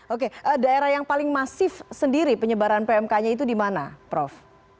oke daerah yang paling masif sendiri penyebaran pmk nya itu di mana prof